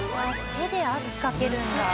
手で圧かけるんだ。